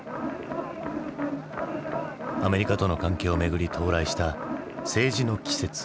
アメリカとの関係をめぐり到来した政治の季節。